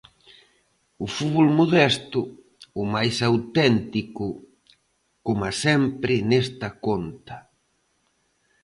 O fútbol modesto, o máis auténtico, coma sempre nesta conta.